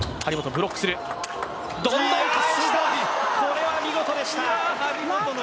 これは見事でした。